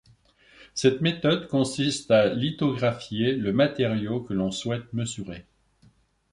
Cette méthode consiste à lithographier le matériau que l'on souhaite mesurer.